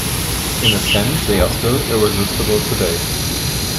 In a sense, they are still irresistible today.